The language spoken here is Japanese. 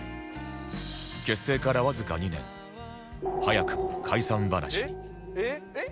結成からわずか２年早くも解散話に